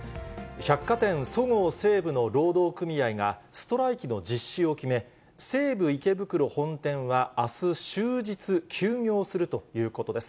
百貨店そごう・西武の労働組合が、ストライキの実施を決め、西武池袋本店はあす終日、休業するということです。